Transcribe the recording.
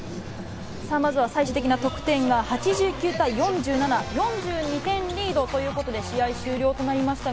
まずは最終的な得点が８９対４７、４２点リードということで試合終了となりました。